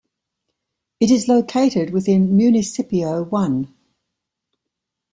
It is located within Municipio I.